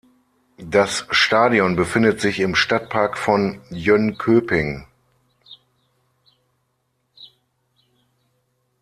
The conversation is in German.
Das Stadion befindet sich im Stadtpark von Jönköping.